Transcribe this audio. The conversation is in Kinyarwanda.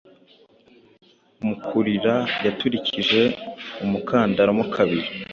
Mu kurira Yaturikije umukandara mo kabiri,